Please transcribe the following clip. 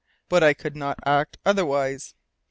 But I could not act otherwise.